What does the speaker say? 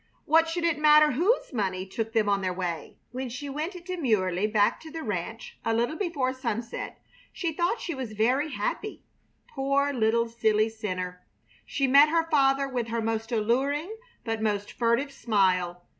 What should it matter whose money took them on their way? When she went demurely back to the ranch a little before sunset she thought she was very happy, poor little silly sinner! She met her father with her most alluring but most furtive smile.